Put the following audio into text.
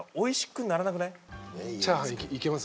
チャーハンいけます？